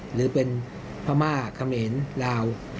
หรือเป็นพระม่าคำเอนลาว